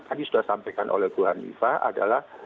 tadi sudah sampaikan oleh bu hanifah adalah